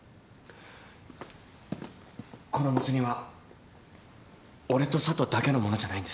このもつ煮は俺と佐都だけのものじゃないんです。